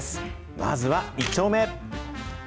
まずは１丁目。